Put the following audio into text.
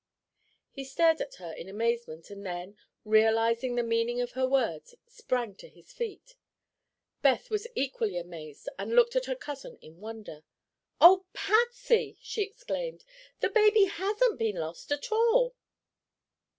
He stared at her in amazement and then, realizing the meaning of her words, sprang to his feet. Beth was equally amazed and looked at her cousin in wonder. "Oh, Patsy!" she exclaimed, "the baby hasn't been lost at all."